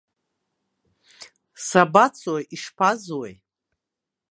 Сабацо, ишԥазуеи?